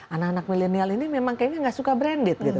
anak anak milenial ini memang kayaknya nggak suka branded gitu